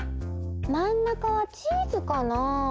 まん中はチーズかなあ？